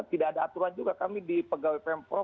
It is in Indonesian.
tidak ada aturan juga kami di pegawai pemprov